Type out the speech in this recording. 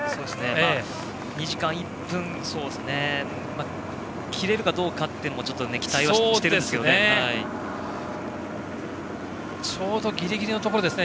２時間１分を切れるかどうかというのも期待をしているんですけどね。